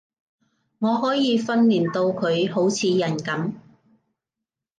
我可以訓練到佢好似人噉